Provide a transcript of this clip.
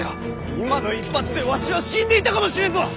今の一発でわしは死んでいたかもしれんぞ！